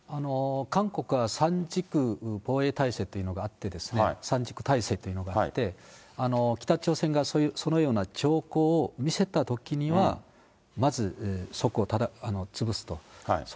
韓国は防衛体制というのがあって、体制というのがあって、北朝鮮がそのような兆候を見せたときには、まず、そこを潰すと。